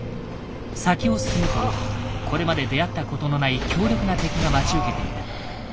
先を進むとこれまで出会ったことのない強力な敵が待ち受けていた。